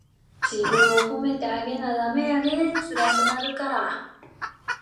自分を褒めてあげなダメやで、つらくなるから。